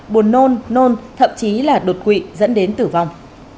buồn nôn nôn thậm chí là đột quỵ dẫn đến tử vong